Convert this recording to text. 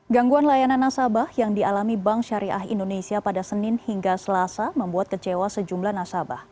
gangguan layanan nasabah yang dialami bank syariah indonesia pada senin hingga selasa membuat kecewa sejumlah nasabah